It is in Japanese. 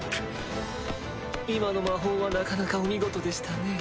今の魔法はなかなかお見事でしたね。